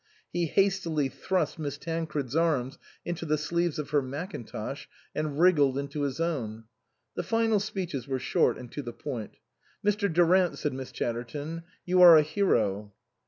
He hastily thrust Miss Tancred's arms into the sleeves of her mackintosh and wriggled into his own. The final speeches were short and to the point. " Mr. Durant," said Miss Chatterton, " you are a hero."